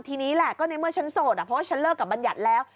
ทีนี้แหละก็ในเมื่อฉันโสดเพราะว่าฉันเลิกกับบัญญัติแล้ว